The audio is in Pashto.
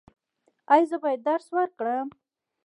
ایا زه باید درس ورکړم؟